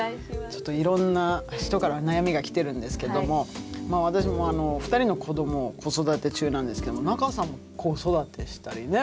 ちょっといろんな人から悩みが来てるんですけども私も２人の子どもを子育て中なんですけども仲さんも子育てしたりね。